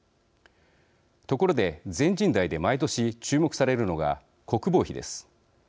ところで、全人代で毎年、注目されるのが国防費です。